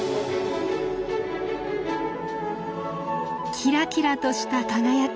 キラキラとした輝き。